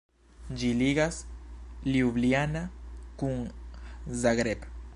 Ĝi ligas Ljubljana kun Zagreb.